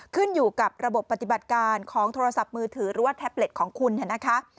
ขึ้นอยู่กับระบบปฏิบัติการของโทรศัพท์มือถือหรือว่าแท็บเล็ตของคุณเนี่ยนะคะ